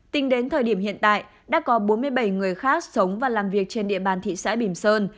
tính đến thời điểm hiện tại đã có bốn mươi bảy người khác sống và làm việc trên địa bàn thị xã bìm sơn